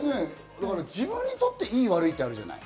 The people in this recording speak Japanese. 自分にとって良い悪いってあるじゃない？